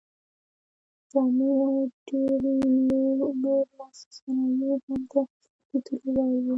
جامې او ډېر نور لاسي صنایع یې هم د لیدلو وړ وو.